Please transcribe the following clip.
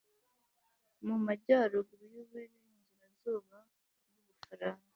mu majyaruguru y'uburengerazuba bw'ubufaransa